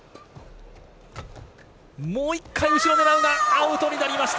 もう１回後ろを狙うがアウトになりました。